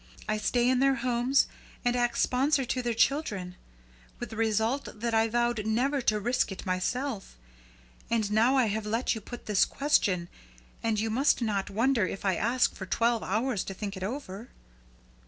I stay in their homes, and act sponsor to their children; with the result that I vowed never to risk it myself. And now I have let you put this question, and you must not wonder if I ask for twelve hours to think it over."